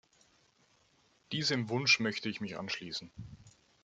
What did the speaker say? Diesem Wunsch möchte ich mich anschließen.